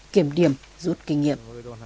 trách nhiệm rút kinh nghiệm